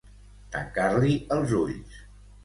Tancar-li els ulls.